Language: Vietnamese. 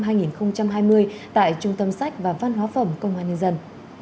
bộ lịch công an nhân dân năm hai nghìn hai mươi tại trung tâm sách và văn hóa phẩm công an nhân dân